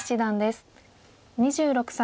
２６歳。